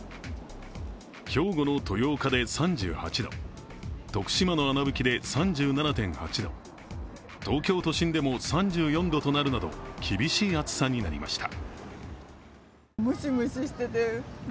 兵庫の豊岡で３８度徳島の穴吹で３７．８度東京都心でも３４度となるなど、厳しい暑さになりました。